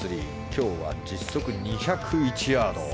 今日は実測２０１ヤード。